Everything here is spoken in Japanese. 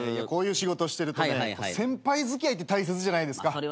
こういう仕事してるとね先輩づきあいって大切じゃないですか。